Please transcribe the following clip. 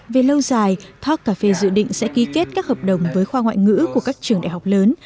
về lâu dài thoát cà phê dự định sẽ ký kết các hợp đồng với khoa ngoại ngữ của các trường đại học lớn